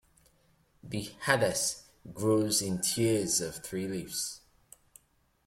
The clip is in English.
The "hadass" grows in tiers of three leaves.